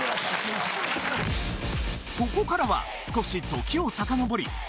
ここからは少し時を遡り